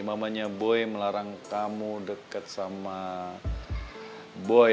mamanya boy melarang kamu dekat sama boy